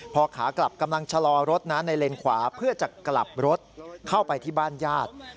พอขากลับกำลังชะลอรถนะในเลนขวาเพื่อจะกลับรถเข้าไปที่บ้านญาติ